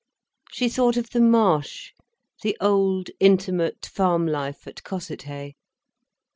She thought of the Marsh, the old, intimate farm life at Cossethay.